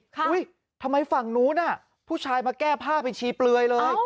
อุ้ยทำไมฝั่งนู้นน่ะผู้ชายมาแก้ผ้าไปชี้เปลือยเลย